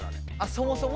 そもそも？